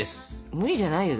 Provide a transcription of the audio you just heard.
無理じゃないよ。